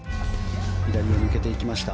左を抜けていきました。